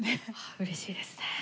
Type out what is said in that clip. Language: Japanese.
うれしいですね。